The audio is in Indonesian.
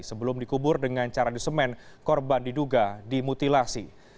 sebelum dikubur dengan cara disemen korban diduga dimutilasi